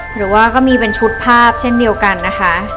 หรือว่าก็มีเป็นชุดภาพเช่นเดียวกันนะคะ